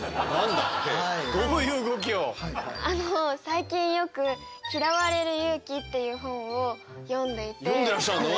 最近よく「嫌われる勇気」っていう本を読んでらっしゃるの？